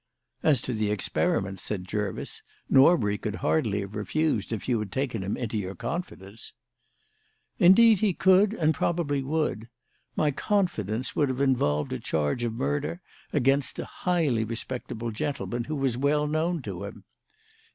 "As to the experiments," said Jervis, "Norbury could hardly have refused if you had taken him into your confidence." "Indeed he could, and probably would. My 'confidence' would have involved a charge of murder against a highly respectable gentleman who was well known to him.